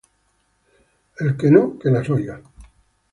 El que nó, que las oiga.